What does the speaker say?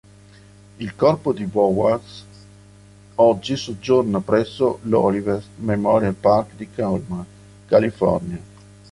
Il corpo di Bowers oggi soggiorna presso l'Olivet Memorial Park di Colma, California.